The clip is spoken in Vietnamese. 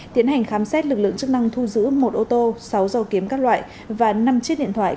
tiến hành khám xét lực lượng chức năng thu giữ một ô tô sáu dao kiếm các loại và năm chiếc điện thoại